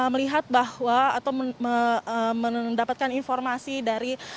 melihat bahwa atau mendapatkan informasi dari